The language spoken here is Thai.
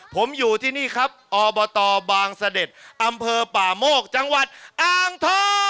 ผมอยู่ที่นี่ครับอบตบางเสด็จอำเภอป่าโมกจังหวัดอ้างทอ